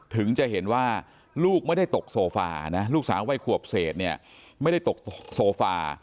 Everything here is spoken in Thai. ถึงจะเห็นว่าลูกไม่ได้ตกโซฟานะลูกสาววัยขวบเศษเนี่ยไม่ได้ตกโซฟา